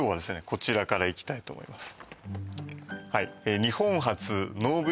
こちらからいきたいと思います